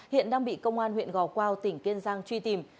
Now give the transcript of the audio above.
hiện đang bị công an huyện gò quao tỉnh kiên giang truy tìm